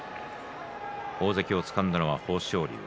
大関をつかんだのは豊昇龍。